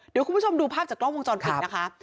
เดี๋ยวคุณผู้ชมดูภาพจากกล้องวงจรปิดนะคะ